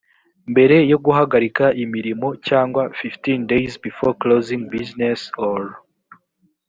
mbere yo guhagarika imirimo cyangwa fifteen days before closing business or